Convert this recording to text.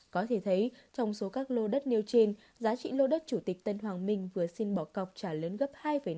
có thể thấy trong số các lâu đất nêu trên giá trị lâu đất chủ tịch tân hoàng minh vừa xin bỏ cọc trả lớn gấp hai năm